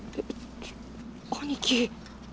兄貴。